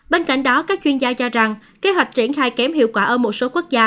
bên cạnh đó các chuyên gia cho rằng kế hoạch triển khai kém hiệu quả ở một số quốc gia